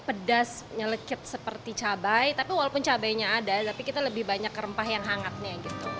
pedas nyelekit seperti cabai tapi walaupun cabainya ada tapi kita lebih banyak rempah yang hangatnya gitu